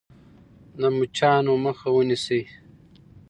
د مچانو مخه ونیسئ.